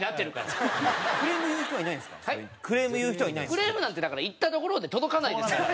クレームなんてだから言ったところで届かないですから。